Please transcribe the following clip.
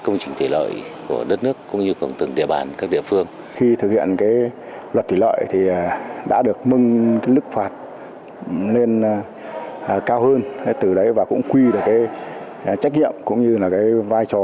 nên cao hơn từ đấy và cũng quy được cái trách nhiệm cũng như là cái vai trò